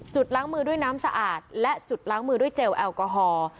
ล้างมือด้วยน้ำสะอาดและจุดล้างมือด้วยเจลแอลกอฮอล์